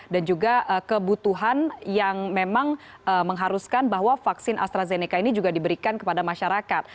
dan juga kebutuhan yang memang mengharuskan bahwa vaksin astrazeneca ini juga diberikan kepada masyarakat